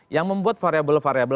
yang membuat variabel variabel